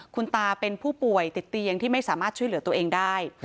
คุณตาเป็นผู้ป่วยติดเตียงที่ไม่สามารถช่วยเหลือตัวเองได้